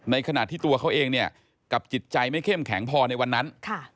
ขณะที่ตัวเขาเองเนี่ยกับจิตใจไม่เข้มแข็งพอในวันนั้น